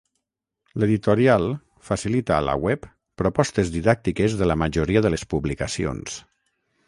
L'editorial facilita a la web propostes didàctiques de la majoria de les publicacions.